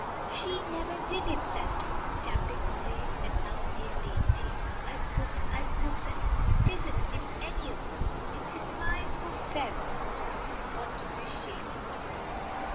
"She never did it," says Tommy stamping with rage and now nearly in tears. "I've books I've books, and 'tisn't in any of them." "It is in my book," says Mr. Browne, who ought to be ashamed of himself.